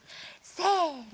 せの。